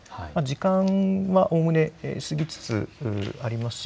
時間はおおむね過ぎつつあります。